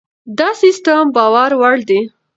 دا سیستم باور وړ دی.